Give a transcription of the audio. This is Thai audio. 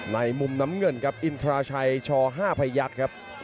มุมน้ำเงินครับอินทราชัยช๕พยักษ์ครับ